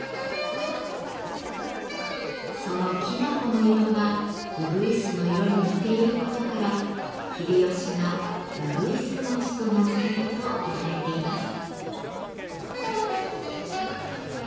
そのきな粉の色がうぐいすの色に似ていることから秀吉が「うぐいす餅」と名付けたと言われています。